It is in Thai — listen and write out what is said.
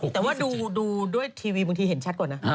แต่ว่าดูด้วยทีวีบางทีเห็นชัดกว่านะ